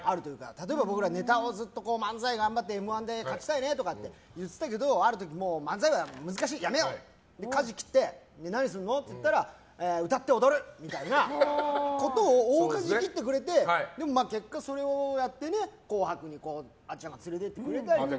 例えば、僕らもネタをずっと、漫才を頑張って「Ｍ‐１」勝ちたいねって言ってたけど、ある時漫才は難しいやめようってかじ切って、何するのと聞いたら歌って踊るみたいなことを大かじ切ってくれて結果、それをやって「紅白」に出られたりとか。